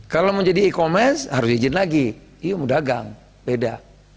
kalau mau jadi e commerce harus diajin lagi iya mau dagang beda